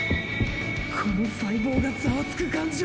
この細胞がざわつく感じは！！